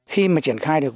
khi mà triển khai được